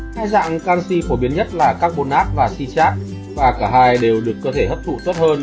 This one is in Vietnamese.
hai dạng canxi phổ biến nhất là carbonate và si chát và cả hai đều được cơ thể hấp thu tốt hơn